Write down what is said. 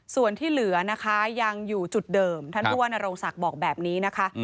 ส่วนที่เหลือนะคะยังอยู่จุดเดิมท่านผู้ว่านโรงศักดิ์บอกแบบนี้นะคะ